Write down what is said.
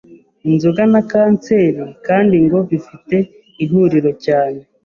Inzoga na Cancer kandi ngo bifite ihuriro cyane